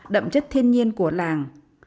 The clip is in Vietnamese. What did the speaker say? đậm chất thiên nhiên của làng